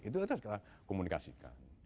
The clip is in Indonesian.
itu kita komunikasikan